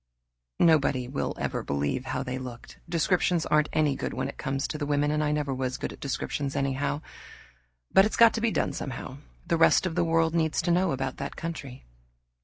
Nobody will ever believe how they looked. Descriptions aren't any good when it comes to women, and I never was good at descriptions anyhow. But it's got to be done somehow; the rest of the world needs to know about that country.